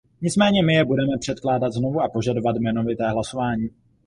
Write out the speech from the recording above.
Nicméně my je budeme předkládat znovu a požadovat jmenovité hlasování.